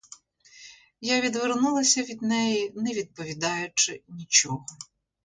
Я відвернулася від неї, не відповідаючи нічого.